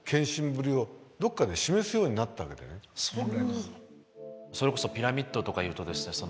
でもそれこそピラミッドとかいうとですね